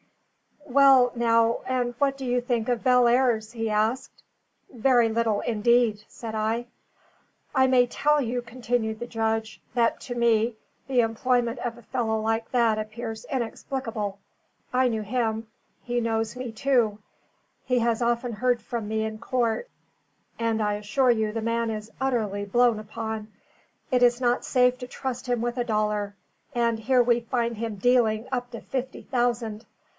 "Well now, and what did you think of Bellairs?" he asked. "Very little indeed," said I. "I may tell you," continued the judge, "that to me, the employment of a fellow like that appears inexplicable. I knew him; he knows me, too; he has often heard from me in court; and I assure you the man is utterly blown upon; it is not safe to trust him with a dollar; and here we find him dealing up to fifty thousand.